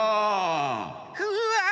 うわ！